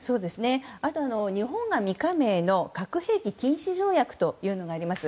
あと、日本が未加盟の核兵器禁止条約というのがあります。